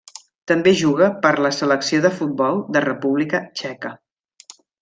També juga per la Selecció de futbol de República Txeca.